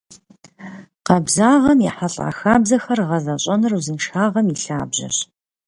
Къабзагъэм ехьэлӏа хабзэхэр гъэзэщӏэныр узыншагъэм и лъабжьэщ.